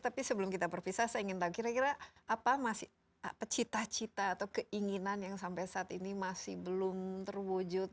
tapi sebelum kita berpisah saya ingin tahu kira kira apa cita cita atau keinginan yang sampai saat ini masih belum terwujud